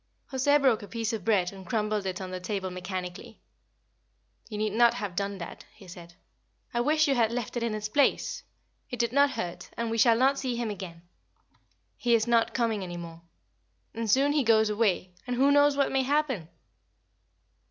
José broke a piece of bread and crumbled it on the table mechanically. "You need not have done that," he said. "I wish you had left it in its place. It did no hurt, and we shall not see him again. He is not coming any more. And soon he goes away; and who knows what may happen?"